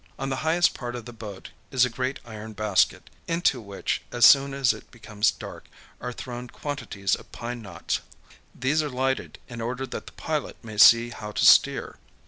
On the highest part of the boat is a great iron basket, into which, as soon as it becomes dark, are thrown quantities of pine knots. These are lighted in order that the pilot may see how to steer.